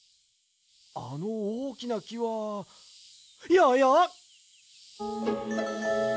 あのおおきなきはややっ！